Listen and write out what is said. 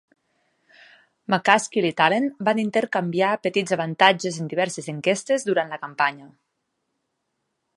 McCaskill i Talent van intercanviar petits avantatges en diverses enquestes durant la campanya.